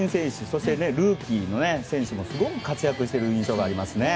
そしてルーキーもすごく活躍している印象がありますね。